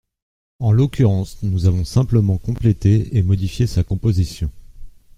En l’occurrence, nous avons simplement complété et modifié sa composition.